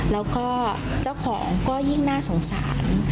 แล้วก็เจ้าของก็ยิ่งน่าสงสาร